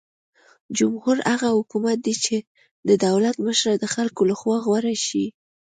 جمهور هغه حکومت دی چې د دولت مشره د خلکو لخوا غوره شي.